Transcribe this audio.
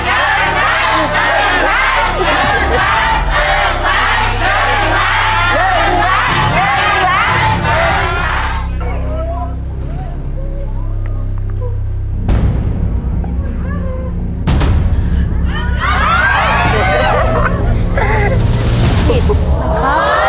เริ่มรักเริ่มรักเริ่มรัก